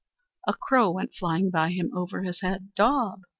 A crow went flying by him, over his head, "Daub!